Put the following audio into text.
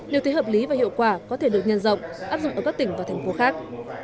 điều thấy hợp lý và hiệu quả có thể được nhân rộng áp dụng ở các tỉnh và thành phố khác